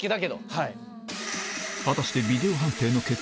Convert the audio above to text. はい。